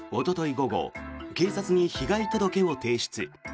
午後警察に被害届を提出。